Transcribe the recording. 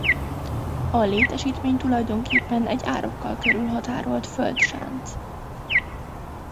A létesítmény tulajdonképpen egy árokkal körülhatárolt földsánc.